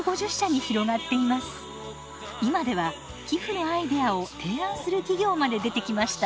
今では寄付のアイデアを提案する企業まで出てきました。